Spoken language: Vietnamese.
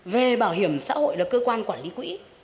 về bảo hiểm xã hội là cơ quan quản lý quỹ